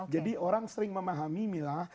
jadi orang sering memahami mila